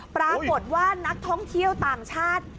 ปรากฏว่านักท่องเที่ยวต่างชาติ